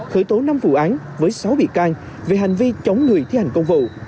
khởi tố năm vụ án với sáu bị can về hành vi chống người thi hành công vụ